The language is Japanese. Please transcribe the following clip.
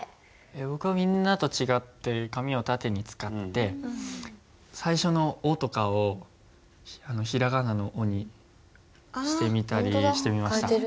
僕はみんなと違って紙を縦に使って最初の「於」とかを平仮名の「お」にしてみたりしました。